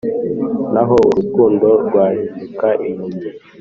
naho urukundo rwahinduka impumyi